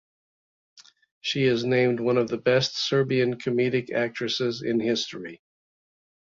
She is named one of the best Serbian comedic actresses in history.